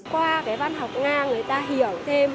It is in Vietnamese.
qua cái văn học nga người ta hiểu thêm